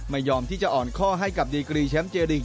ไม่ยอมที่จะอ่อนข้อให้กับดีกรีแชมป์เจริง